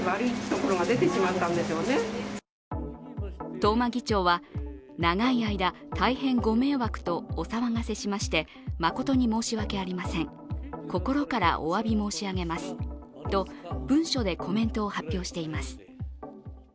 東間議長は、長い間大変ご迷惑とお騒がせしまして誠に申し訳ありません、心からおわび申し上げますと文書でコメントを発表しています。